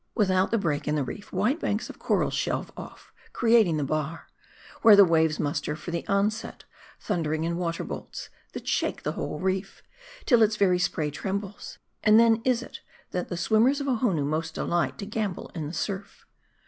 Without the break in the reef, wide banks of coral shelve off, creating the bar, where the waves muster for the onset, thundering in water bolts, that shake the whole reef, till its very spray trembles. And then is it, that the swimmers of Ohonoo most delight to gambol in the surf.